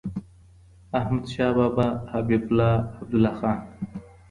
احمدشاه بابا حبيب الله عبدالله خان